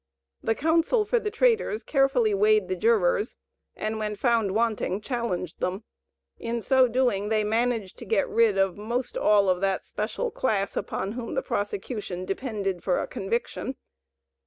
The counsel for the "Traitors" carefully weighed the jurors, and when found wanting challenged them; in so doing, they managed to get rid of most all of that special class upon whom the prosecution depended for a conviction.